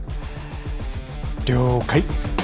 了解。